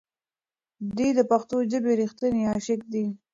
دی د پښتو ژبې رښتینی عاشق دی.